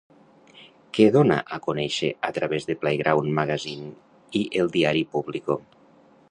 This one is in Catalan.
Què dona a conèixer a través de PlayGround Magazine i el diari Público?